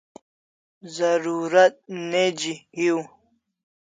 Zarurat neji hiu